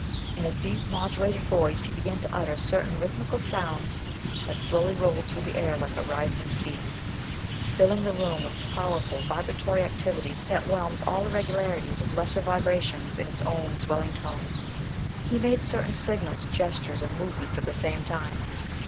In a deep, modulated voice he began to utter certain rhythmical sounds that slowly rolled through the air like a rising sea, filling the room with powerful vibratory activities that whelmed all irregularities of lesser vibrations in its own swelling tone. He made certain sigils, gestures and movements at the same time.